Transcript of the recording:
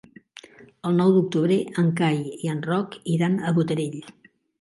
El nou d'octubre en Cai i en Roc iran a Botarell.